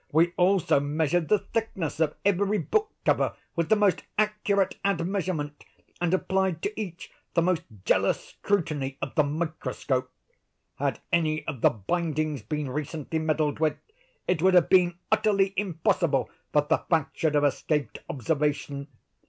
We also measured the thickness of every book cover, with the most accurate admeasurement, and applied to each the most jealous scrutiny of the microscope. Had any of the bindings been recently meddled with, it would have been utterly impossible that the fact should have escaped observation.